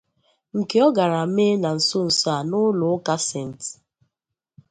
nke ọ gara mee na nsonso a n'ụlọụka 'St